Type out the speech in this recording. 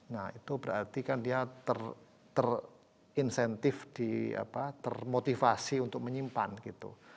nah itu berarti kan dia terinsentif termotivasi untuk menyimpan gitu